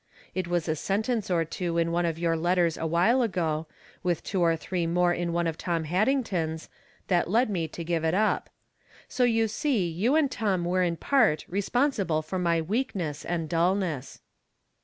It was a sentence or two in one of your letters awhile ago, with two or three more in one of Tom Haddington's, that led me to give it up. So you see you and Tom are in part res ponsible for my weakness and dullness.